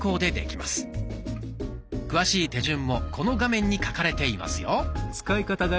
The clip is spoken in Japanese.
詳しい手順もこの画面に書かれていますよ。